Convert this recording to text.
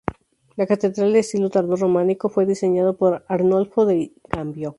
La catedral, de estilo tardo románico, fue diseñada por Arnolfo di Cambio.